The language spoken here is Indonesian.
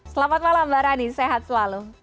selamat malam mbak rani sehat selalu